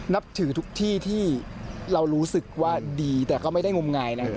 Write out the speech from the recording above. นับถือทุกที่ที่เรารู้สึกว่าดีแต่ก็ไม่ได้งมงายนะ